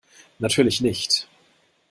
Natürlich nicht.